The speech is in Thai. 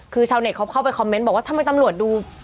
คือชาวเน็ตเขาเข้าไปคอมเมนต์บอกว่าทำไมตำรวจดู